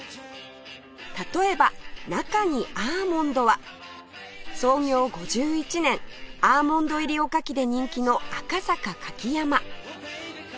例えば「中にアーモンド？！」は創業５１年アーモンド入りおかきで人気の赤坂柿山